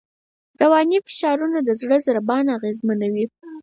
رواني فشارونه د زړه ضربان اغېزمنوي.